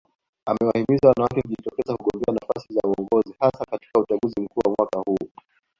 Amewahimiza wanawake kujitokeza kugombea nafasi za uongozi hasa katika uchaguzi mkuu wa mwaka huu